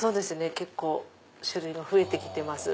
結構種類が増えてきてます。